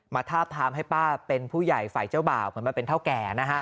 ทาบทามให้ป้าเป็นผู้ใหญ่ฝ่ายเจ้าบ่าวเหมือนมาเป็นเท่าแก่นะฮะ